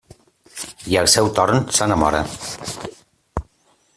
I al seu torn s'enamora.